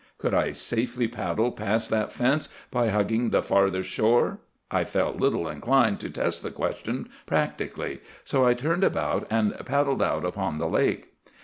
Could I safely paddle past that fence by hugging the farther shore? I felt little inclined to test the question practically; so I turned about and paddled out upon the lake.